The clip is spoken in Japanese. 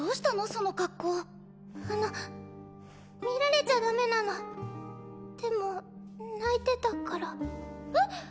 その格好あの見られちゃダメなのでも泣いてたからえっ？